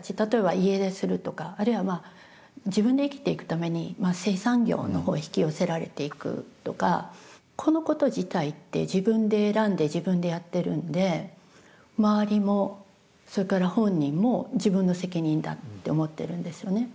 例えば家出するとかあるいは自分で生きていくために性産業の方へ引き寄せられていくとかこのこと自体って自分で選んで自分でやってるんで周りもそれから本人も自分の責任だって思ってるんですよね。